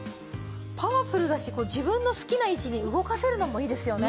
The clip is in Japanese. パワフルだし自分の好きな位置に動かせるのもいいですよね。